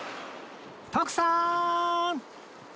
徳さーん！